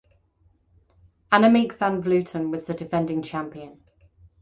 Annemiek van Vleuten was the defending champion.